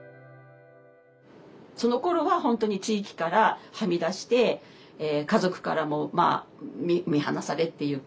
そのころは本当に地域からはみ出して家族からも見放されっていうか